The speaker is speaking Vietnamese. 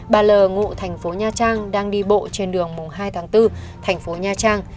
bà l ngụ tp nha trang đang đi bộ trên đường hai tháng bốn tp nha trang